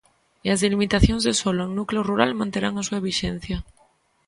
E as delimitacións de solo en núcleo rural manterán a súa vixencia.